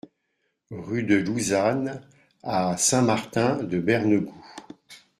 Rue de l'Ousane à Saint-Martin-de-Bernegoue